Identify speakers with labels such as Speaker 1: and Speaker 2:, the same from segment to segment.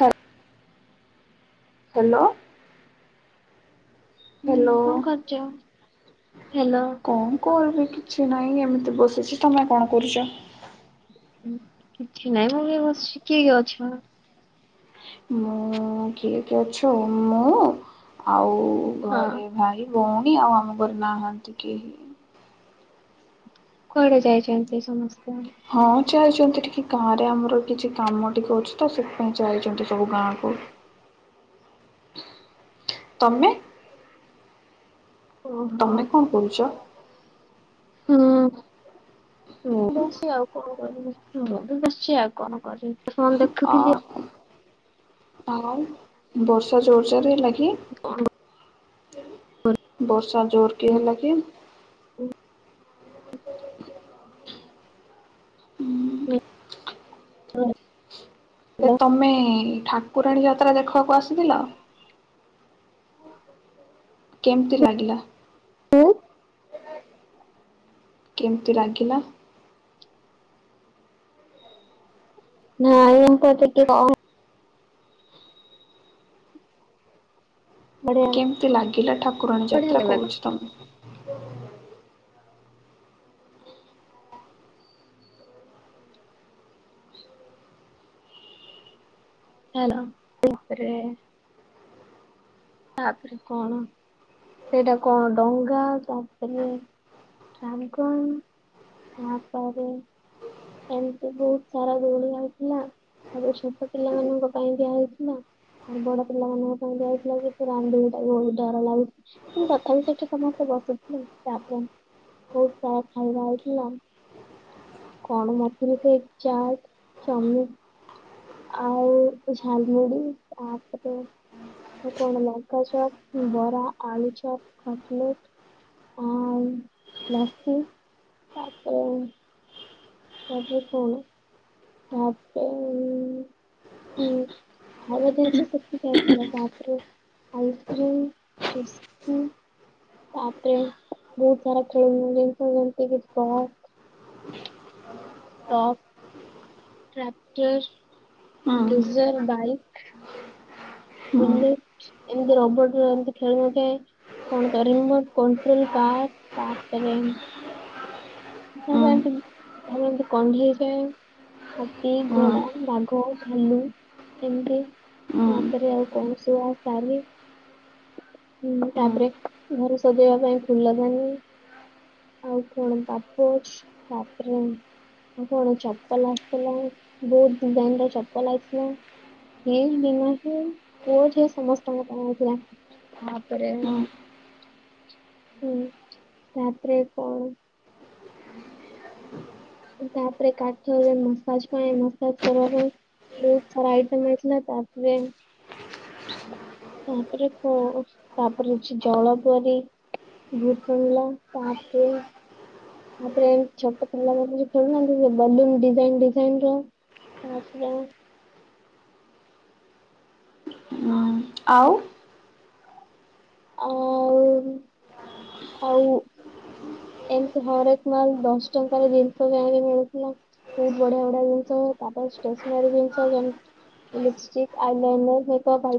Speaker 1: ହଁ। Hello. Hello
Speaker 2: ହୁଁ କଣ କରୁଛ? ହ୍ୟାଲୋ।
Speaker 1: କଣ। କୋଲ ବି କିଛି ନାହିଁ ଏମିତି ବସିଛି ତୁମେ କଣ କରୁଚ?
Speaker 2: କିଛି ନାଇଁ ମୁଁ ବି ବସିଛି କିଏ କି ଅଛ?
Speaker 1: ମୁଁ କିଏ କି ଅଛୁ ମୁଁ ଆଉ
Speaker 2: ହଁ
Speaker 1: ଘରେ ଭାଇ ଭଉଣୀ ଆଉ ଆମ ଘରେ ନାହାନ୍ତି କେହି।
Speaker 2: କୁଆଡେ ଯାଇଛନ୍ତି ସମସ୍ତେ?
Speaker 1: ହଁ ଯାଇଛନ୍ତି ଟିକେ ଗାଁ ରେ ଆମର କିଛି କାମ ଟିକେ ଅଛି ତ ସେଥିପାଇଁ ଯାଇଛନ୍ତି ସବୁ ଗାଁକୁ। ତମେ?
Speaker 2: ଓହୋ।
Speaker 1: ତମେ କଣ କରୁଛ?
Speaker 2: ହୁଁ ବସି ଆଉ କଣ କରିବି? ବସିଚି ଆଉ କଣ କରିବି? ଫୋନ ଦେଖୁଥିଲି ଆଉ
Speaker 1: ଓ ଆଉ। ବର୍ଷା ଜୋର୍ ଜୋର୍ ଲାଗି।
Speaker 2: କଣ କରିବି।
Speaker 1: ବର୍ଷା ଜୋର କି ହେଲା କି?
Speaker 2: [unintelligible]
Speaker 1: ହୁଁ।
Speaker 2: ହୁଁ।
Speaker 1: ଏ ତମେ ଠାକୁରାଣୀ ଯାତ୍ରା ଦେଖିବାକୁ ଆସିଥିଲ। କେମିତି ଲାଗିଲା?
Speaker 2: [unintelligible]
Speaker 1: କେମିତି ଲାଗିଲା?
Speaker 2: [unintelligible] ବଢିଆ
Speaker 1: କେମତି ଲାଗିଲା ଠାକୁରାଣୀ
Speaker 2: ବଢିଆ
Speaker 1: ଯାତ୍ରା
Speaker 2: ଲାଗିଲା ତ
Speaker 1: କହୁଛି ତମକୁ।
Speaker 2: ହେଲାରେ। ତାପରେ କଣ ସେଇଟା କଣ ଡଙ୍ଗା ତାପରେ ରାମଗଜ ତାପରେ ଏମିତି ବହୁତ ସାରା ଦଉଣ ହେଇଥିଲା। ତାବେ ଛୋଟ ପିଲାମାନଙ୍କ ପାଇଁ ଦିଆ ହେଇଥିଲା ଆଉ ବଡ ପିଲାମାନଙ୍କ ପାଇଁ ଦିଆଯଇଥିଲା। ରାମଦେବ ତାକୁ ବହୁତ ଡର ଲାଗୁଛି କିନ୍ତୁ ତଥା ବିି ସେଠି ସମସ୍ତେ ବସୁଥିଲେ ତାପରେ ହଉ ତାଖାଇବା ହେଇଥିଲା। [unintelligible] ଆଉ ଝାଲମୁଢି ତାପେରେ କଣ ଲଙ୍କା ବରା ଆଳୁଚପ ଖଟଲେଟ, ଆଉ ଲସି ତାପରେ ତାପରେ କଣ? ଆପ ହଁ ଖା ଖାଇବା ଜିନିଷ ବାପରେ ଆଇସ୍କ୍ରିମ୍ ଚୁସ୍ କୁ। ତାପରେ ବହୁତ ସାରା ଖେଳୁନ ଜିନିଷ ଯେମତି କିଛି କହ। ଟପ
Speaker 1: ଉଁ
Speaker 2: ଟ୍ରାକ୍ଟର ଗଡିଜର ବାଇକ୍
Speaker 1: ହୁଁ
Speaker 2: ବୁଲିଲେ ଏମତି ରବଟରେ ଏମିତି ଖେଳୁନଥାଏ। କଣ ରିମୋଟ କଣ୍ଟ୍ରୋଲ କାର ତାପରେ
Speaker 1: ଉଁ
Speaker 2: ତାପରେ ଏମତି ତାପରେ ଏମିତି କଣ୍ଢେଇଯାଏ ହାତୀ,
Speaker 1: ଉଁ
Speaker 2: ଘୋଡା, ବାଘ, ଭାଲୁ ଏମିତି।
Speaker 1: ଉଁ
Speaker 2: ତାରେ ଆଉ କହୁଛୁ ଆଉ କାଲି ହୁଁ
Speaker 1: ଉଁ
Speaker 2: ତାପରେ ଘରେ ସଜେଇବା ପାଇଁ ଫୁଲ ଜାନି ଆଉ କଣ ବାପ ଅଛି ବାପରେ କଣ ଚପଲ ଆସିଥିଲା ବହୁତ ଡିଜାଇନ ର ଚପଲ ଆସିଥିଲା। ଏ ନିନା ପୁଅ ଝିଅ ସମସ୍ତଙ୍କ ପାଇଁଥିଲା ତାପରେ
Speaker 1: ଉଁ
Speaker 2: ହୁଁ ତାପରେ କଣ ତାପରେ କାଠରେ ମସାଜ୍ ପାଇଁ ମସାଜ କରିବା ପାଇଁ ବହୁତ ସାରା ଆଇଟମ୍ ଆଇଥିଲା ତାପରେ
Speaker 1: [inaudible]
Speaker 2: ତାପରେ କ ତାପରେ ହଛି ଜଳ ବୁଆରୀ। ଭୁଙ୍ଗଲା ତାପରେ ତାପରେ ଏ ଛୋଟ ପିଲା ମାନେ ଯଉ ଖେଳୁନାହାନ୍ତି ସେ ବଲୁନ ଡିଇନ ଡିଇନ ର [unintelligible]
Speaker 1: ଉଁ ଆଉ
Speaker 2: ଆଉ ହଉ ଏମତି ହରେକ ମାଲ ଦଶ ଟଙ୍କାର ଜିନିଷ କହିକି ମିଳୁଥିଲା। ବହୁତ ବଢିଆ ବଢିଆ ଜିନିଷ ତାପରେ ଷ୍ଟେସନାରୀ ଜିନିଷ କେତି ଲିପଷ୍ଟିକ ଆଇ ଲାଇନର୍ ହେ କପ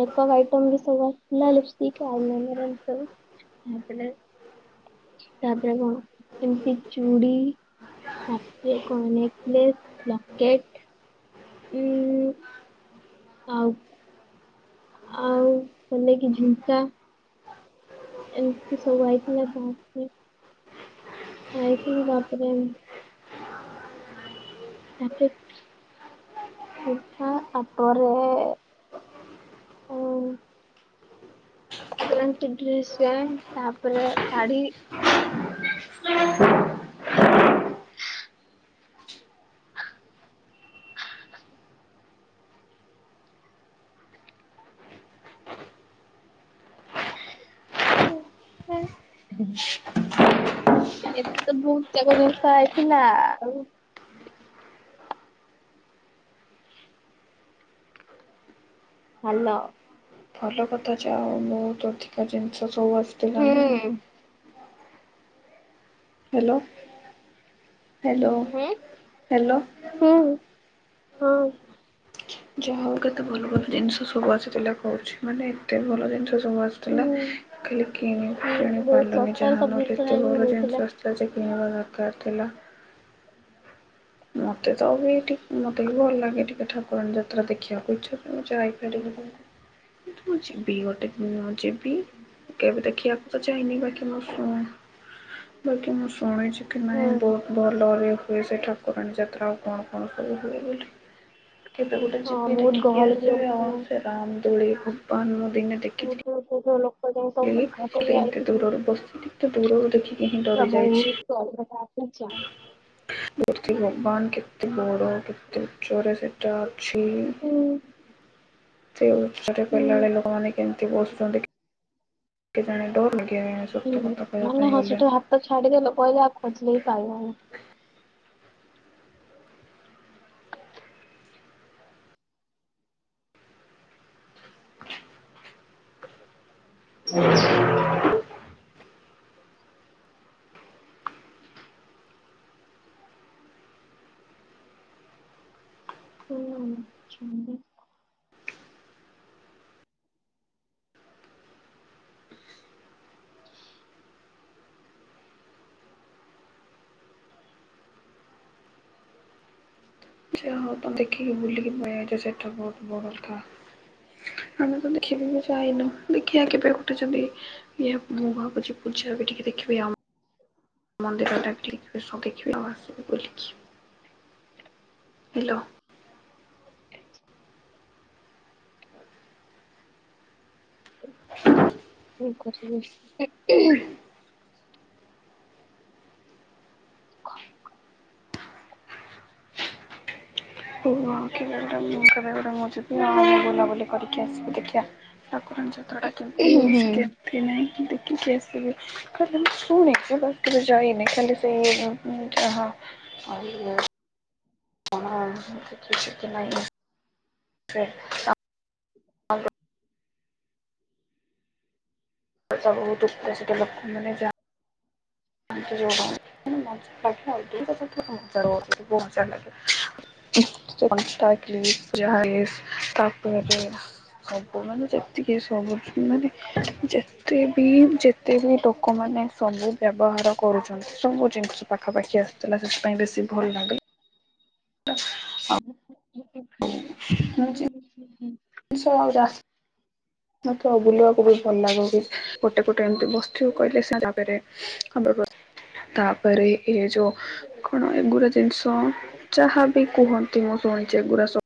Speaker 2: ମେକଅପ ଆଇଟମ ବି ସବୁ ଆସିଥିଲା ଲିପଷ୍ଟିକ ଆଲ ମର୍ନ୍ତ [unintelligible] ତା ଦାରା କଣ ଏମିତି ଚୁଡି ତାପରେ କଣ ନେକେଲେସ ଲକେଟ ହଁ ଆଉ ଆଉ [unintelligible] ଝୁମ୍ତା ଏମିତି ସବୁଆଇଥିଲା ଗରେ ଆାଇଥଙ୍ଗ ତାପରେ ତାପରେ ଖଟ ତାପରେ ଉ ତାପରେସେଣ୍ଟ ତାପରେ ଶାଢୀ [unintelligible] ଏତେ ତ ବହୁତ ଯକ ଜିନିଷ ଆଇଥିଲା ଆଉ ହ୍ୟାଲୋ
Speaker 1: ଭଲ କଥା ଯେ ଆଉ ବହୁତ ଅଧିକା ଜିନିଷ ସବୁ ଅ
Speaker 2: ହଁ
Speaker 1: ହ୍ୟାଲୋ ହ୍ୟାଲୋ
Speaker 2: ହୁଁ
Speaker 1: ହ୍ୟାଲୋ
Speaker 2: ହୁଁ ହଁ
Speaker 1: ଯାହା ହଉ କେତେ ଭଲ ଭଲ ଜିନିଷ ସବୁ ଆସିଥିଲା କହୁଛି ମାନେ ଏତେ ଭଲ ଜିନିଷ ସବୁ ଆସି
Speaker 2: ହୁଁ
Speaker 1: ଖାଲି କିଣି
Speaker 2: ହୁଁ
Speaker 1: କିଣି
Speaker 2: ବହୁତ
Speaker 1: ପାରିଲନି
Speaker 2: ଶସ୍ତାରେ
Speaker 1: ଯାହା
Speaker 2: ସବୁ
Speaker 1: ନହେଲେ
Speaker 2: ଜିନିଷ
Speaker 1: ଏତେ
Speaker 2: ଯାଇକି
Speaker 1: ଭଲ
Speaker 2: ମିଳୁଥିଲା
Speaker 1: ଜିନିଷ ଆ ସଜ କିଣିବା ଦରକାର ଥିଲା ମତେ ତ ବିିକ ମତେ ବି ଭଲ ଲାଗେ ଟିକେ ଠାକୁରାଣ ଯାତ୍ରା ଦେଖିବାକୁ ଇଚ୍ଛା କରାଇ ଟ ତୁ ମୁ ଯିବି ଗୋଟେ ଦ ଯିବି କେବେ ଦେଖି ଆପ ତ ଚାଇନି ବାକି ମୁଁ ସଣ ବାକି ମୁଁ ସୋନିଛି
Speaker 2: ହୁଁ
Speaker 1: ଲୋକମାନେ ବହୁତ ଭଲରେ ହୁଏ ସେ ଠାକୁରାଣୀ ଯାତ୍ରା ଆଉ କଣ କଣ ସବୁ ହୁଏ ବୋଲି କେବେ ଗୋଟେ
Speaker 2: ହଁ
Speaker 1: ଯିବି
Speaker 2: ବହୁତ
Speaker 1: ଦେଖିକି
Speaker 2: ଗହଳି ବି
Speaker 1: ଆସିବି ଆଉ
Speaker 2: ହଉଥିଲା
Speaker 1: ସେ ରାମ ଦୋଳି ଭଗବାନ ମୁଁ ଦିନେ ଦେଖିଥିଲି
Speaker 2: [unintelligible] ଦେଖା କରି
Speaker 1: ଏମିତି
Speaker 2: ଆଇଥିଲେ
Speaker 1: ଦୂରରୁ ବସି କିନ୍ତୁ ଦୂରରୁ ଦେଖିକି ହିଁ ଡରି ଯାଇଛି
Speaker 2: ସରି ବଟ ଚା
Speaker 1: ମୂର୍ତ୍ତି ଭଗବାନ୍ କେତେ ବଡ଼ କେତେ ଜୋର୍ ସେ ଏଟା ଅଛି।
Speaker 2: ହୁଁ
Speaker 1: ଏତେ ଉଚ୍ଚା ଟା
Speaker 2: ହୁଁ
Speaker 1: କଲା ବେଳେ ଲୋକମାନେ କେମିତି ବସୁଛନ୍ତି କେଜାଣି ଡୋର୍ ଲଗେଇବା ପାଇଁ କା ଜଣେ ଅଛି।
Speaker 2: ହୁଁ ମାନେ ହଁ ସେଠୁ ହାତ ଛାଡିଦେଲେ ପଇଲେ ଆଉ ଖୋଜିଲେ ବିି ପାଇବନି।
Speaker 1: [inaudible]
Speaker 2: ହୁଁ ଶୁଭୁଚି ପା।
Speaker 1: ଯାହା ହଉ ତ ଦେଖିକି ବୁଲିକି ମନ୍ ଯୋଉ ସେଟା ବୋହୁତ୍ ବଡ଼ ଟା। ଆମେ ତ ଦେଖିନୁ କି ଯାଇନୁ ଦେଖିବା କେବେ ଗୋଟେ ଯଦି ଇଏ ମୁଁ ଭାବୁଚି ଯୋଉ ପୂଜା ଦେଖିବି ଆଉ ଆମ ମନ୍ଦିରଟାକୁ ବି ଏଇ ସବ୍ ଦେଖିବି ଆଉ ଆସିବି ବୁଲିକି ହେଲୋ।
Speaker 2: [unintelligible] କହ?
Speaker 1: କେହି ନୁହଁ କିଲୋମିଟର ପାଇଁ ମୁଁ ଯିବି ଆଉ ବୁଲାବୁଲି କରିକି ଆସିବି ଦେଖିବା। ଠାକୁରଙ୍କ ଚିତ୍ର ଟା କେମିତି ହେଇଛି କେମତି ନାହିଁ ଦେଖିକି ଆସିବି। [unintelligible] [unintelligible] [unintelligible] [unintelligible] ହୁଁ ସେ କଣ୍ଟା କ୍ଲିପ୍ ଯାହା ହେଲେ ବି ତାପରେ ବି ସବୁ ମାନେ ଯେତିକି ସବୁ ମାନେ ଯେତେ ବି ଯେତେ ବି ଲୋକମାନେ ସବୁ ବ୍ୟବହାର କରୁଛନ୍ତି ସବୁ ଜିନିଷ ପାଖାପାଖି ଆସୁ ଥିଲା ସେଥିପାଇଁ ବେଶୀ ଭଲ୍ ଲାଗିଲା। ଆଉ। ମୁଁ ଯେମିତି।
Speaker 2: ହୁଁ ହୁଁ ହୁଁ।
Speaker 1: [unintelligible] ମତେ ଆଉ ବୁଲିବାକୁ ବୋହୁତ୍ ଭଲ୍ ଲାଗେ ବି ଗୋଟେ ପଟେ ଏମିତି ବସିଥିବ କହିଲେ ସେରେ ଆସେ ଏଇଠିକି। [unintelligible] ଚୋରୀ ହେଇପାରେ ଏ ଯୋଉ କଣ ଏଗୁଡ଼ା ଜିନିଷ ଯହା ବି କୁହନ୍ତି ମୁଁ ଶୁଣିଛି ଏଗୁଡ଼ା ସବୁ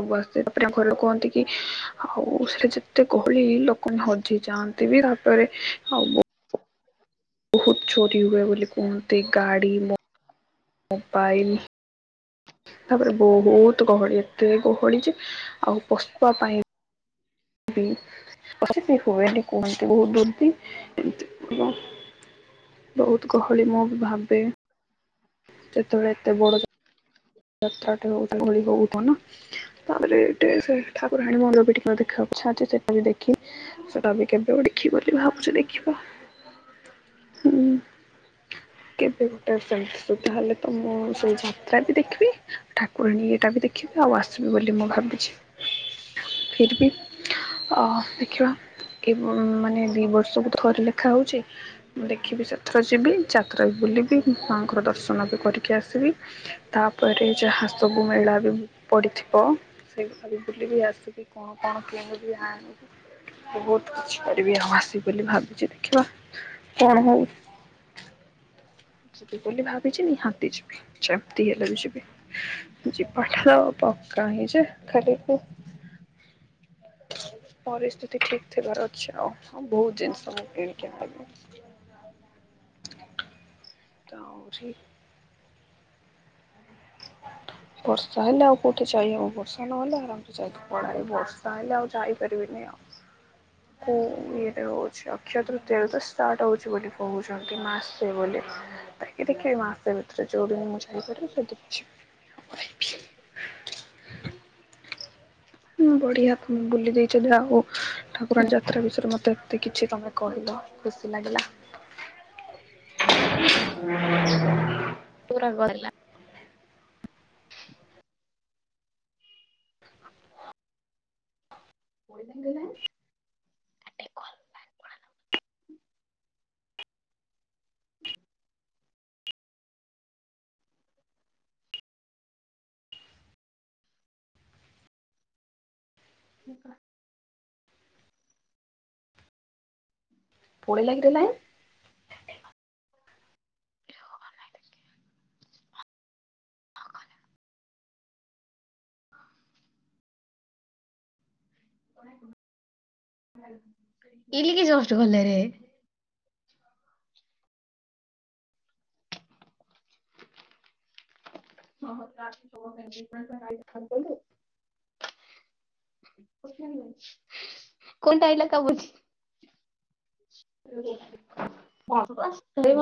Speaker 1: ସବୁ ଆସେ। ତାପରେ ଆମ ଘର ଲୋକ କୁହନ୍ତି କି? ହଁ ହଉ ସେ ଯେତେ ଗହଳି ଲୋକମାନେ ହଜିଯାଆନ୍ତି। ବସି ଥିବି ତାପରେ ଆଉ ବୋହୁତ୍ ଚୋରି ହୁଏ ବୋଲି କୁହନ୍ତି ଗାଡ଼ି ମ୍ ମୋବାଇଲ୍ ତାପରେ ବୋହୁତ୍ ଗହଳି ଏତେ ଗହଳି ଯେ ଆଉ ପଶିବା ପାଇଁ କି ଅତିବି ହୁଏନି କୁହନ୍ତି ବୋହୁତ୍ ବି ଏମିତି ବୋହୁତ୍ ଗହଳି ମୁଁ ବି ଭାବେ? ସେତେବେଳେ ଏଟେ ବଡ଼ ଜଗା ଯାତ୍ରା ଠି ବୋହୁତ୍ ଗହଳି ହୋଉ ଥିବ ନା? ତାପରେ ଏଠି ସେ ଠାକୁରାଣୀ ମନ୍ଦିର ବି ଏଠିକି ପୁରା ଦେଖା ଯାଉଛି। ଆଚ୍ଛା ଆଚ୍ଛା। ସେଟା ବି ଦେଖିବି। ସେଟା ବି କେବେ ଗୋଟେ ଦେଖିବି ବୋଲି ଭାବୁଛି ଦେଖିବା ହୁଁ। କେବେ ଗୋଟେ ସେମିତି ତାହେଲେ ତ ମୁଁ ସେଇ ଯାତ୍ରାରେ ବି ଦେଖିବି। ଠାକୁରାଣୀ ଏଟା ବି ଦେଖିବି ଆଉ ଆସିବି ବୋଲି ମୁଁ ଭାବିଛି। ଫିର୍ ବି ଅହ୍ ଦେଖିବା ଏ ମ୍ ମାନେ ଦି ବର୍ଷକୁ ଥରେ ଲେଖା ହୋଉଛି। ମୁଁ ଦେଖିବି ସେ ଥର ଯିବି। ଯାତ୍ରା ବି ବୁଲିବି ମାଆଙ୍କର ଦର୍ଶନ ବି କରିକି ଆସିବି। ତାପରେ ଯାହା ସବୁ ମେଳା ବି ପଡ଼ିଥିବ ସେଗୁଡ଼ା ବି ବୁଲିବିି ଆସିବି। କଣ କଣ କିଣିକି ଆଣିବି। ବୋହୁତ୍ କିଛି କରିବି। ଆଉ ଆସିବି ବୋଲି ଭାବିଛି ଦେଖିବା କଣ ହଉ ଯିବି ବୋଲି ଭାବିଚି ନିହାତି ଯିବି। ଯେମତି ହେଲେବି ଯିବି। ଯିବାଟାର ପକ୍କା ହିଁ ଯେ ଖାଲି ପରିସ୍ଥିତି ଠିକ ଥିବାର ଅଛି ଆଉ ବହୁତ ଜିନିଷ ମୁ କିଣିକି ଆଣିମି। ତଉରି ବର୍ଷା ହେଲେ ଆଉ କୋଉଠି ଯାଇହବ ବର୍ଷା ନହେଲେ ଆରାମସ ଯାଇ ପଳାରେ ବର୍ଷା ହେଲେ ଆଉ ଯାଇପାରିବିନି ଆଉ। ଇଏଟ ହଉଛି ଅକ୍ଷୟ ତୃତୀୟରେ ତ ଷ୍ଟାର୍ଟ ହଉଛି ବୋଲି କହୁଛନ୍ତି ମାସେ ବୋଲି। ତାକି ଦେଖିବ ମାସେ ଭିତରେ ଯୋଉଦିନ ମୁଁ ଯାଇପାରିବି ସେ ଦିନ ଯିବି। ବଢ଼ିଆ ତମେ ବୁଲି ଦେଇଚ ଯା ହଉ ଠାକୁରାଣୀ ଯାତ୍ରା ବିଷୟରେ ମୋତେ କିଛି ତମେ କହିଲ ଖୁସି ଲାଗିଲା। [inaudible]
Speaker 2: ପୁରା ଗହିଲା। ପହିଲଙ୍ଗ [unintelligible]
Speaker 1: ପଳେଇଲା କିରେ ଲାଇନ?
Speaker 2: [unintelligible] ଇଲ କି ଯଷ୍ଟ ଗଲୋରେ। ହଁ ଆ କଲୁ। କନଟା ଆଲା କା ବୁ [unintelligible]